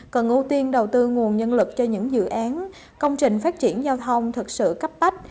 cần ưu tiên đầu tư nguồn nhân lực cho những dự án công trình phát triển giao thông thực sự cấp bách